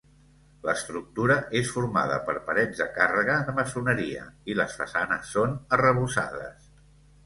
L'estructura és formada per parets de càrrega de maçoneria i les façanes són arrebossades.